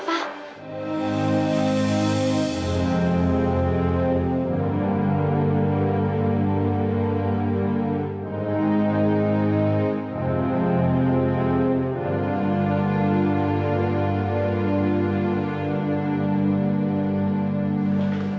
pokoknya kalian seharusnya bahagia